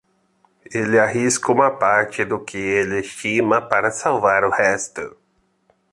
Ele arrisca uma parte do que ele estima para salvar o resto.